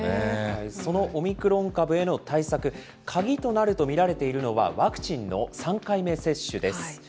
そのオミクロン株への対策、鍵となると見られているのがワクチンの３回目接種です。